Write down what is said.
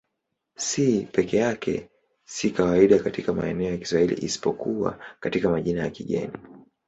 C peke yake si kawaida katika maneno ya Kiswahili isipokuwa katika majina ya kigeni.